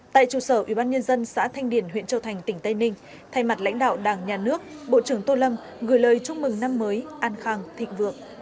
tại trụ sở ubnd xã thanh điển huyện châu thành tỉnh tây ninh thay mặt lãnh đạo đảng nhà nước bộ trưởng tô lâm gửi lời chúc mừng năm mới an khang thịnh vượng